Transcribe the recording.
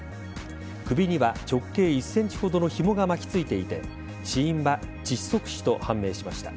首には直径１ｃｍほどの紐が巻きついていて死因は窒息死と判明しました。